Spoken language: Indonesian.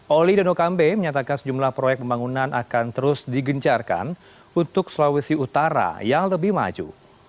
oli dono kambe menyatakan sejumlah proyek pembangunan akan terus digencarkan untuk sulawesi utara yang lebih maju